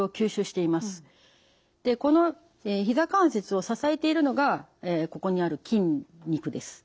このひざ関節を支えているのがここにある筋肉です。